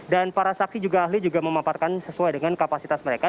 dan para saksi juga ahli juga memamparkan sesuai dengan kapasitas mereka